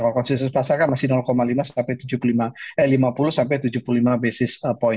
kalau konsensus pasar kan masih lima sampai tujuh puluh lima eh lima puluh sampai tujuh puluh lima basis point